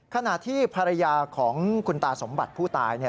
ขณะที่ภรรยาของคุณตาสมบัติผู้ตาย